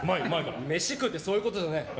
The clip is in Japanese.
飯食うってそういうことじゃねえ。